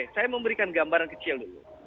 saya memberikan gambaran kecil dulu